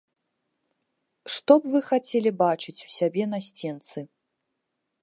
Што б вы хацелі бачыць у сябе на сценцы?